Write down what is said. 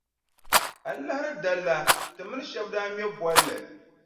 Alahiri dali la, ti mini shɛba daa ŋme bolli.